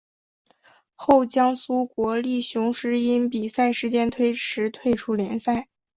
后江苏国立雄狮因比赛时间推迟退出联赛。